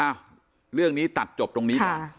อ้าเรื่องนี้ตัดจบตรงนี้ค่ะ